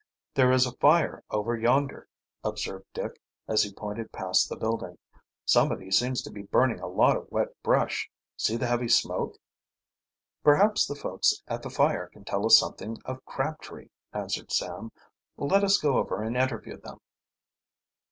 "There is a fire over yonder," observed Dick, as he pointed past the building "Somebody seems to be burning a lot of wet brush. See the heavy smoke." "Perhaps the folks at the fire can tell us something of Crabtree," answered Sam. "Let us go over and interview them."